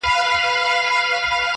هسي نه چي ستا په لاره کي اغزی سي-